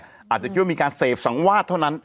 อาจจะคิดว่ามีการเสพสังวาดเท่านั้น